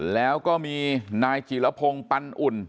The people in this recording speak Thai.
แล้วก็มีนายจิรพงศ์ปันอุ่น